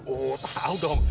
oh tau dong